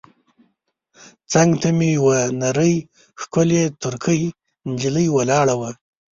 څنګ ته مې یوه نرۍ ښکلې ترکۍ نجلۍ ولاړه وه.